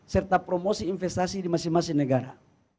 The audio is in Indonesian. serta promosi investasi di masing masing negara